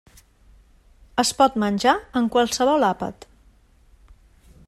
Es pot menjar en qualsevol àpat.